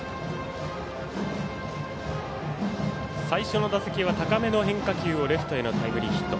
最初の打席は高めの変化球をレフトへのタイムリーヒット。